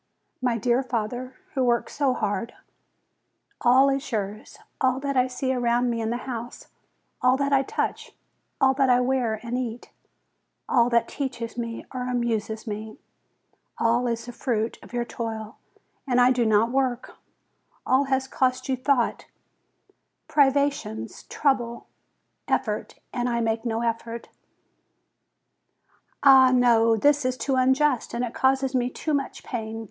My dear father, who works so hard ! all is yours, all that I see around me in the house, all that I touch, all that I wear and eat, all that teaches me or amuses me, all 120 FEBRUARY is the fruit of your toil, and I do not work; all has cost you thought, privations, trouble, effort, and I make no effort. Ah, no; this is too unjust, and causes me too much pain.